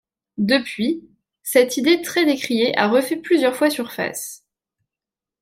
Depuis, cette idée très décriée a refait plusieurs fois surface.